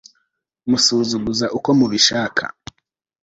musuzuguza uko mubishaka